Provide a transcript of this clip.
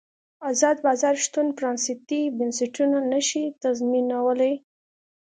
ازاد بازار شتون پرانیستي بنسټونه نه شي تضمینولی.